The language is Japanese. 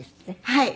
はい。